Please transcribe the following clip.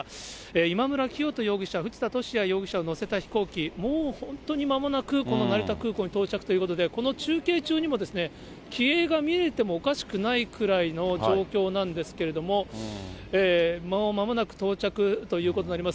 今村磨人容疑者、藤田聖也容疑者を乗せた飛行機、もう本当にまもなくこの成田空港に到着ということで、この中継中にも、機影が見えてもおかしくないくらいの状況なんですけれども、もうまもなく到着ということになります。